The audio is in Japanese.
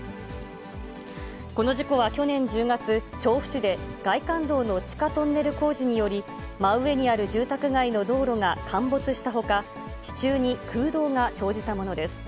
この事故は去年１０月、調布市で外環道の地下トンネル工事により、真上にある住宅街の道路が陥没したほか、地中に空洞が生じたものです。